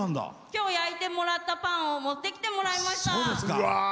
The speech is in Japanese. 今日、焼いてもらったパンを持ってきてもらいました。